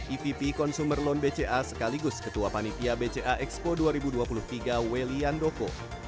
evp consumer loan bca sekaligus ketua panitia bca expo dua ribu dua puluh tiga welly andoko